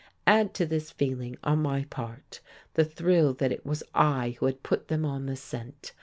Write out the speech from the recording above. Add to this feeling, on my part, the thrill that it was I who had put them on the scent.